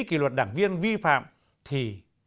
kỳ luật đảng viên vi phạm thì